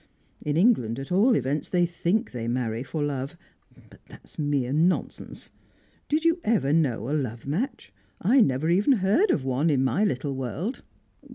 In England, at all events, they think they marry for love, but that's mere nonsense. Did you ever know a love match? I never even heard of one, in my little world.